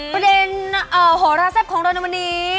ประเด็นโหราแซ่บของเราในวันนี้